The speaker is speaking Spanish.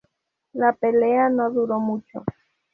La pelea no duró mucho.